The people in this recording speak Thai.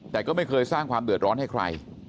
แต่ก็ไม่เคยสร้างความเดือดร้อนให้ใคร